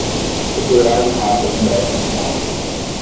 o plural de rato é congresso nacional